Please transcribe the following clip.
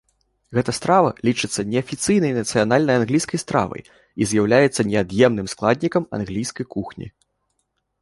Гэта страва лічыцца неафіцыйнай нацыянальнай англійскай стравай і з'яўляецца неад'емным складнікам англійскай кухні.